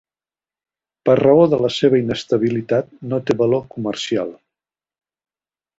Per raó de la seva inestabilitat no té valor comercial.